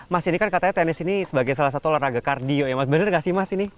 mas ini kan katanya tenis ini sebagai salah satu olahraga kardio ya mas bener gak sih mas ini